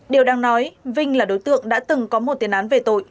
điều đang nói vinh là đối tượng đã từng có một tiền án về tội